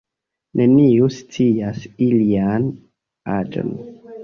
Neniu scias ilian aĝon.